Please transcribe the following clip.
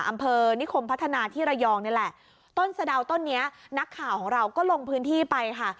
อำเภอนิคมพัฒนาที่ระยองนี่แหละต้นสะดาวต้นนี้นักข่าวของเราก็ลงพื้นที่ไปค่ะ